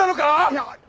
いや。